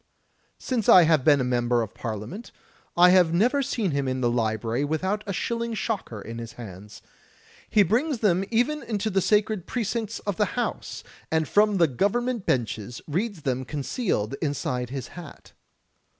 Since I have been a member of Parliament, I have never seen him in the library without a shilling shocker in his hands. He brings them even into the sacred precincts of the House, and from the Government benches reads them concealed inside his hat.